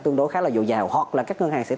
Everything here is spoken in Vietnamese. tương đối khá là dồi dào hoặc là các ngân hàng sẽ